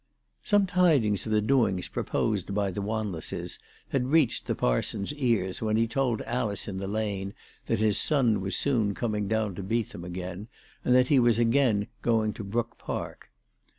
Some tidings of the doings proposed by the Wan lesses had reached the parson's ears when he told Alice in the lane that his son was soon coming down to Beetham again, and that he was again going to Brook Park.